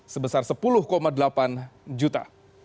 sebesar sepuluh delapan juta